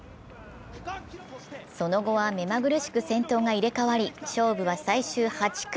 その後は目まぐるしく先頭が入れ代わり、勝負は最終８区。